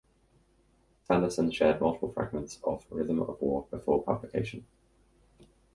Sanderson shared multiple fragments of "Rhythm of War" before publication.